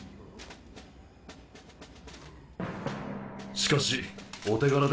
しかしお手柄でしたね。